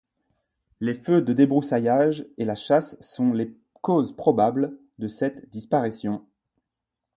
Les feux de débroussaillage et la chasse sont les causes probables de cette disparition.